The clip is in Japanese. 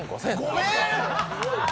ごめーん！